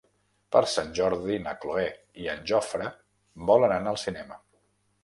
Per Sant Jordi na Cloè i en Jofre volen anar al cinema.